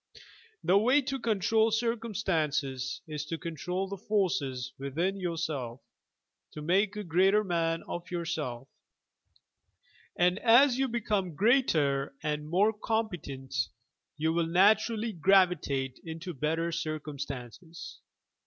The way to control circumstances is to control the forces within yourself, to make a greater man of yourself, and as you become greater and more competent, you will naturally gravitate into better circumstances.